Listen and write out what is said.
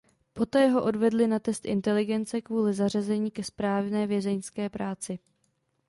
Poté ho odvedli na test inteligence kvůli zařazení ke správné vězeňské práci.